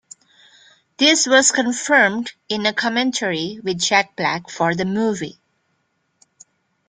This was confirmed in a commentary with Jack Black for the movie.